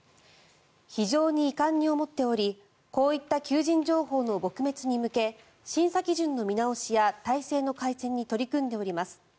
非常に遺憾に思っておりこういった求人情報の撲滅に向け審査基準の見直しや体制の改善に取り組んでおります